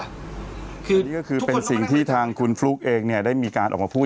อันนี้ก็คือเป็นสิ่งที่ทางคุณฟลุ๊กเองเนี่ยได้มีการออกมาพูด